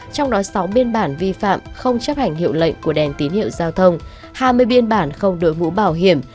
trong đó sáu biên bản vi phạm không chấp hành hiệu lệnh của đèn tín hiệu giao thông hai mươi biên bản không đội mũ bảo hiểm